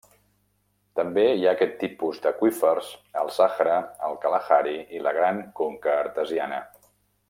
També hi ha aquest tipus d'aqüífers al Sàhara, el Kalahari, i la Gran conca artesiana.